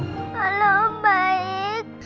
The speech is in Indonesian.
halo om baik